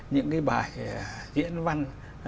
những cái bài diễn văn